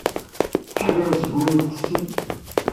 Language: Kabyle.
Ttḥadaret seg wayen tettettem.